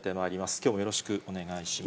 きょうもよろしくお願いします。